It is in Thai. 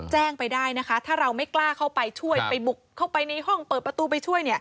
แจ้งไปได้นะคะถ้าเราไม่กล้าเข้าไปช่วยไปบุกเข้าไปในห้องเปิดประตูไปช่วย